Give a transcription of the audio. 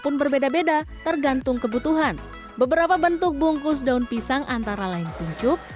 pun berbeda beda tergantung kebutuhan beberapa bentuk bungkus daun pisang antara lain pincuk